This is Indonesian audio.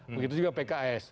begitu juga pks